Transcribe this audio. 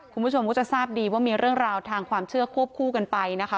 คุณผู้ชมก็จะทราบดีว่ามีเรื่องราวทางความเชื่อควบคู่กันไปนะคะ